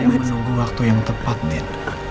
saya menunggu waktu yang tepat din